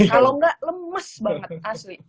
kalo gak lemes banget asli